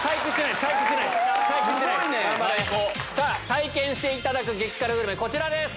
体験していただく激辛グルメこちらです。